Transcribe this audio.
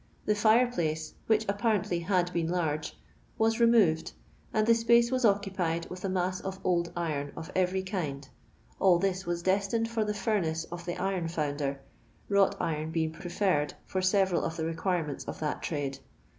The fire phice, which spparently had been large, was removed, and the ipaGe was occupied with a mass of old iron of every kiod ; all this was destined for the furnace of the iroD fonnder, wrought iron being preferred for MTcnl of the requirements of that trade.